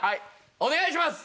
お願いします！